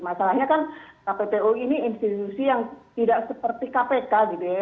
masalahnya kan kppu ini institusi yang tidak seperti kpk gitu ya